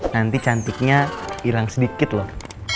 nanti cantiknya hilang sedikit loh